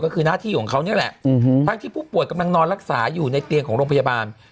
ก็คือหน้าที่ของเขานี่แหละทั้งที่ผู้ป่วยกำลังนอนรักษาอยู่ในเตียงของโรงพยาบาล